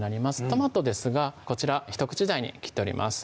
トマトですがこちらひと口大に切っております